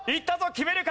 決めるか？